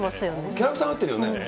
キャラクターに合ってるよね。